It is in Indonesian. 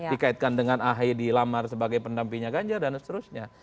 dikaitkan dengan ahai dilamar sebagai pendampingnya ganja dan seterusnya